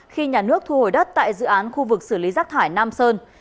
khi nhà nước thu hồi đất tại dự án khu vực xử lý rác thải nam sơn